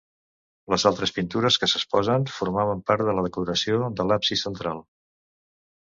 Les altres pintures que s'exposen formaven part de la decoració de l'absis central.